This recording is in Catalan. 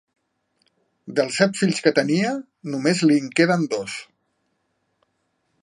Dels set fills que tenia, només li'n queden dos.